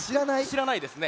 しらないですね。